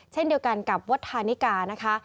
เช่นเดียวกันกับวัฒนิกานะคะ